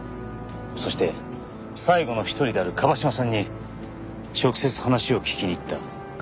そして最後の一人である椛島さんに直接話を聞きに行った。